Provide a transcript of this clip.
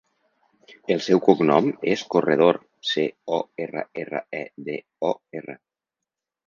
El seu cognom és Corredor: ce, o, erra, erra, e, de, o, erra.